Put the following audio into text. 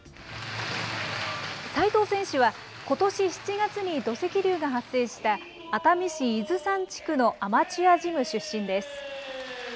齋藤選手は、ことし７月に土石流が発生した熱海市伊豆山地区のアマチュアジム出身です。